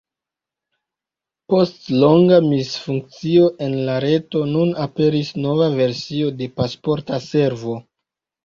Post longa misfunkcio en la reto nun aperis nova versio de Pasporta Servo.